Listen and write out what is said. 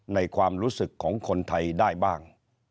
ความรู้สึกของคนไทยได้บ้าง